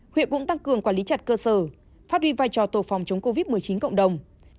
huyện cũng tăng cường quản lý chặt cơ sở phát huy vai trò tổ phòng chống covid một mươi chín cộng đồng